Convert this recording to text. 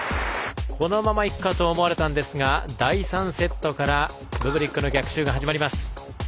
このままいくかと思われましたが第３セットからブブリックの逆襲が始まります。